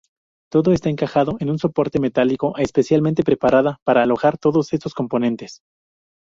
Todo está encajado en un soporte metálico especialmente preparada para alojar todos estos componentes.